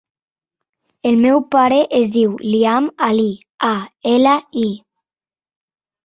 El meu pare es diu Liam Ali: a, ela, i.